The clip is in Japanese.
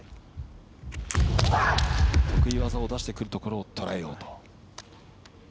得意技を出してくるところをとらえようと。